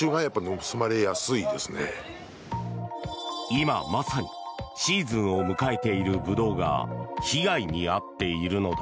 今まさにシーズンを迎えているブドウが被害に遭っているのだ。